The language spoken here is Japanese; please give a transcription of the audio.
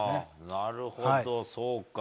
なるほど、そうか。